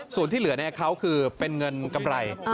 ส่วนที่เหลือเขาคือเป็นเงินกำไร